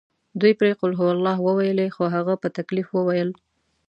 دوی پرې قل هوالله وویلې خو هغه په تکلیف وویل.